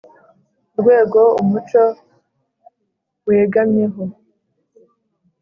Rwego umuco wegamyeho